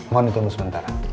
mohon ditunggu sebentar